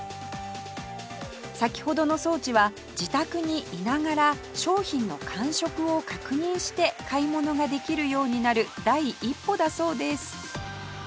先ほどの装置は自宅にいながら商品の感触を確認して買い物ができるようになる第一歩だそうです